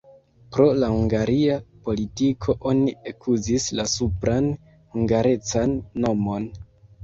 Pro la hungariga politiko oni ekuzis la supran hungarecan nomon.